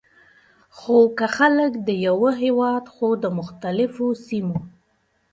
خو که خلک د یوه هیواد خو د مختلفو سیمو،